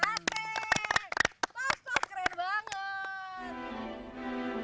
tau tau keren banget